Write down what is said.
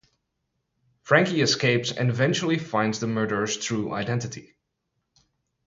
Frankie escapes and eventually finds the murderer's true identity.